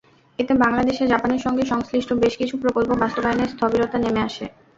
এতে বাংলাদেশে জাপানের সঙ্গে সংশ্লিষ্ট বেশ কিছু প্রকল্প বাস্তবায়নে স্থবিরতা নেমে আসে।